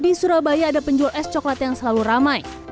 di surabaya ada penjual es coklat yang selalu ramai